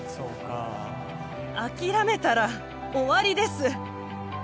諦めたら終わりです